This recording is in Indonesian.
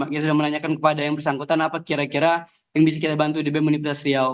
kita sudah menanyakan kepada yang bersangkutan apa kira kira yang bisa kita bantu di bem universitas riau